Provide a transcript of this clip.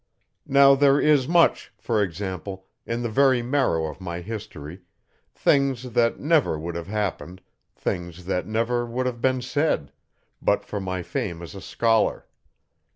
Now there is much, for example, in the very marrow of my history things that never would have happened, things that never would have been said, but for my fame as a scholar.